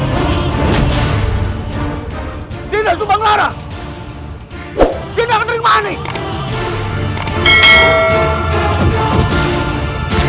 kanda tidak bisa menghadapi rai kenterimanik